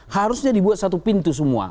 harusnya dibuat satu pintu semua